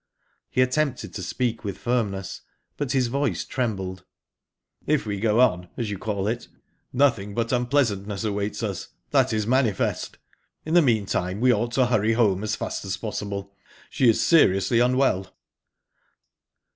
He attempted to speak with firmness but his voice trembled. "If we go on as you call it nothing but unpleasantness awaits us; that is manifest. In the meantime, we ought to hurry home as fast as possible. She is seriously unwell."